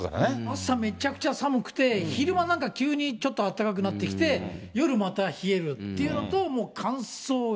朝めちゃくちゃ寒くて、昼間なんか、急にちょっとあったかくなってきて、夜また冷えるっていうのと、もう乾燥が。